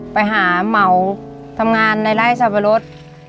ไปหาเหมาทำงานในไร่สับปะรด